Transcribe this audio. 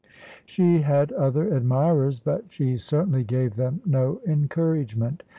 She had other admirers, but she certainly gave them no encouragement.